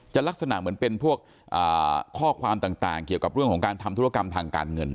ลักษณะเหมือนเป็นพวกข้อความต่างเกี่ยวกับเรื่องของการทำธุรกรรมทางการเงิน